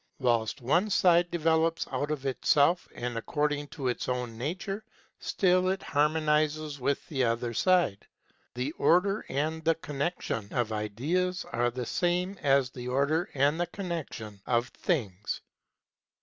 Whilst one side develops out of itself and according to its own nature, SPECULATIVE PHILOSOPHY 41 still it harmonises with the other side. " The order and the connection of Ideas are the same as the order and the connection of Things."